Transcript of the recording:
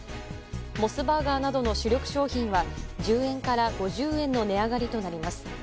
モスバーガーなどの主力商品は１０円から５０円の値上がりとなります。